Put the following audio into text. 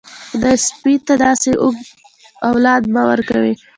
خدايه سپي ته داسې اولاد مه ورکوې.